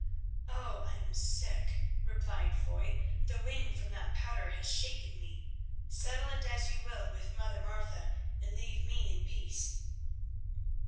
"Oh! I am sick," replied Foy. "The wind from that powder has shaken me. Settle it as you will with Mother Martha and leave me in peace."